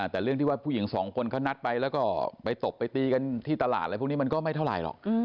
แต่เรื่องที่ว่าผู้หญิงสองคนเขานัดไปแล้วก็ไปตบไปตีกันที่ตลาดอะไรพวกนี้มันก็ไม่เท่าไหร่หรอก